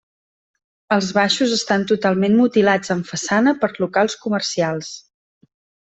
Els baixos estan totalment mutilats en façana per locals comercials.